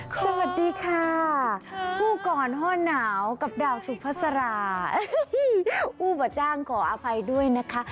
สวัสดีค่ะกู้กรห้อหนาวกับดาวสุพศราอุบัจจ้างขออภัยด้วยนะคะ